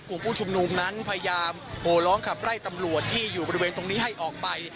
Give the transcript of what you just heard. กลุ่มผู้ชุมนุมนั้นพยายามโหร้องขับไล่ตำรวจที่อยู่บริเวณตรงนี้ให้ออกไป